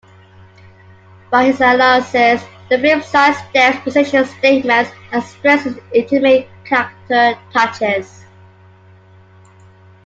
By his analysis, the film sidesteps position statements and stresses intimate character touches.